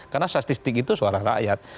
karena statistik itu suara rakyat